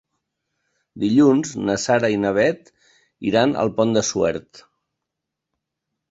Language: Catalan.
Dilluns na Sara i na Bet iran al Pont de Suert.